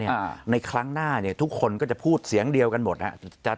อ่าในครั้งหน้าเนี่ยทุกคนก็จะพูดเสียงเดียวกันหมดฮะจะ